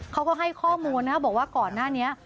เขาก็ให้ข้อมูลนะครับบอกว่าก่อนหน้านี้